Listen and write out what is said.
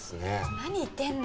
何言ってんの？